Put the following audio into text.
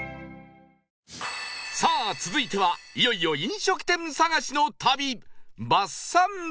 さあ続いてはいよいよ飲食店探しの旅バスサンド